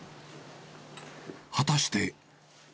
果たして。